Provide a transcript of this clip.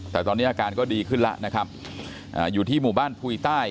แต่ตอนนี้อาการก็ดีขึ้นแล้วนะครับอยู่ที่หมู่บ้านพุยใต้